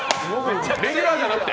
レギュラーじゃなくて？